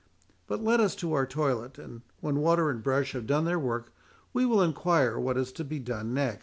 But let us to our toilet, and when water and brush have done their work, we will enquire—what is next to be done."